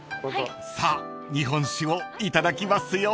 ［さあ日本酒をいただきますよ］